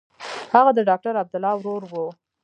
هغه د ډاکټر عبدالله ورور و.